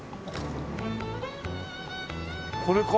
これか？